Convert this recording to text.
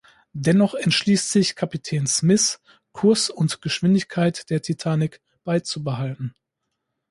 Dennoch entschließt sich Kapitän Smith, Kurs und Geschwindigkeit der Titanic beizubehalten.